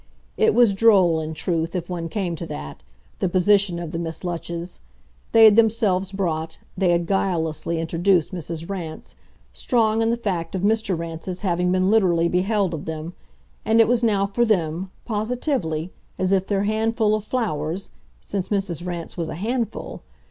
It was droll, in truth, if one came to that, the position of the Miss Lutches: they had themselves brought, they had guilelessly introduced Mrs. Rance, strong in the fact of Mr. Rance's having been literally beheld of them; and it was now for them, positively, as if their handful of flowers since Mrs. Rance was a handful!